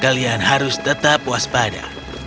dan kalian harus tetap waspada